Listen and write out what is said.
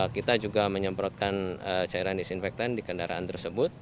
kita juga menyemprotkan cairan disinfektan di kendaraan tersebut